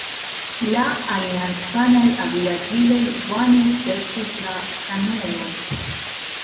La aliancanaj aviadiloj vane serĉis la kanonon.